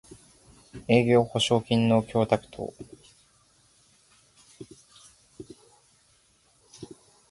営業保証金の供託等